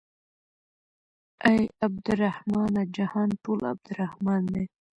اې عبدالرحمنه جهان ټول عبدالرحمن دى.